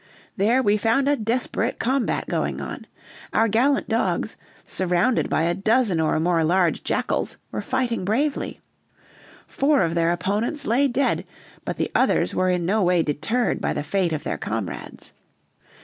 There we found a desperate combat going on; our gallant dogs, surrounded by a dozen or more large jackals, were fighting bravely. Four of their opponents lay dead, but the others were in no way deterred by the fate of their comrades.